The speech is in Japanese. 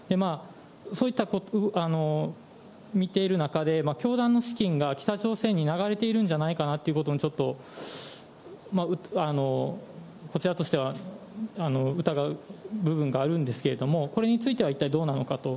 そういった見ている中で、教団の資金が北朝鮮に流れているんじゃないかなということも、ちょっとこちらとしては疑う部分があるんですけど、これについては一体どうなのかと。